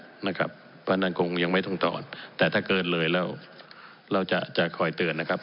เพราะนั่นเครื่องเงินอีกอันบรรที่ว่านั่นยังไม่ต้องตอนแต่ถ้าเกินเลยล่ะเราจะคอยเตือนนะครับ